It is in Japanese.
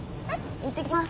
いってきます。